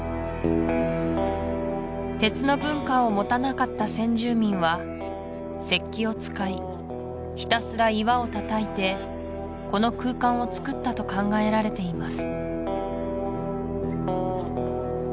鉄の文化を持たなかった先住民は石器を使いひたすら岩をたたいてこの空間をつくったと考えられています